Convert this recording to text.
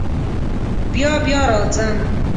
بیا بیا راځم.